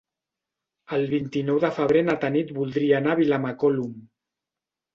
El vint-i-nou de febrer na Tanit voldria anar a Vilamacolum.